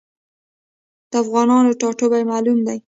د افغانانو ټاټوبی معلوم دی.